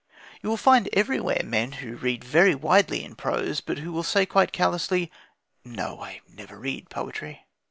You will find everywhere men who read very widely in prose, but who will say quite callously, "No, I never read poetry."